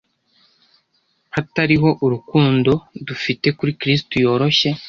hatariho urukundo dufite kuri kristu yoroshye